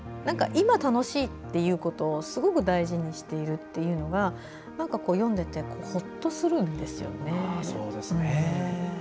今、楽しいっていうことをすごく大事にしているというのが読んでいてほっとするんですよね。